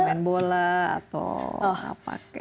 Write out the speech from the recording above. sajamin bola atau apa